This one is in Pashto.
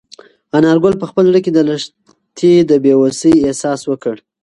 انارګل په خپل زړه کې د لښتې د بې وسۍ احساس وکړ.